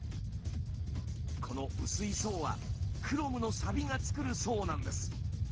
この薄い層はクロムのサビが作る層なんです。